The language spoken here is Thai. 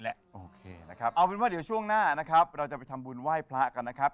โอเคนะครับเอาเป็นว่าเดี๋ยวช่วงหน้านะครับเราจะไปทำบุญไหว้พระกันนะครับ